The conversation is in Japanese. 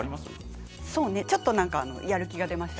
ちょっとやる気が出ました。